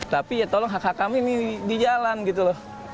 tapi ya tolong hak hak kami ini di jalan gitu loh